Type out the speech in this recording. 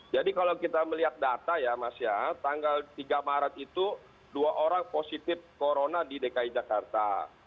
jadi kalau kita melihat data ya mas ya tanggal tiga maret itu dua orang positif corona di dki jakarta